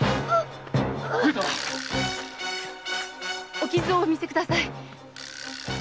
お傷をお見せください。